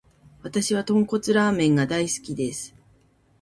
わたしは豚骨ラーメンが大好きです。